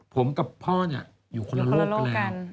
ผมกับพ่อเนี่ยอยู่คนละโลกกัน